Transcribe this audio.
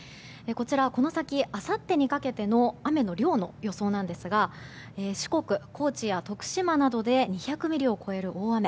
この先、あさってにかけての雨の量の予想ですが四国、高知や徳島などで２００ミリを超える大雨